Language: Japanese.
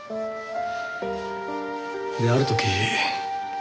である時。